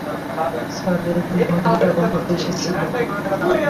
Sir, এক মহিলা টাকা নিতে এসেছিল।